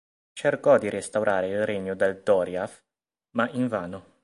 Cercò di restaurare il regno del Doriath, ma invano.